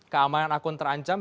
keamanan akun terancam